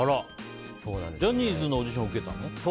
ジャニーズのオーディション受けたの？